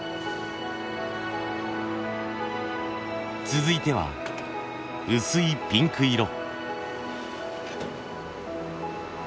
続いては薄いピンク色。